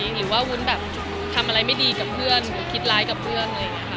หรือว่าวุ้นทำอะไรไม่ดีกับเพื่อนหรือคิดร้ายกับเพื่อน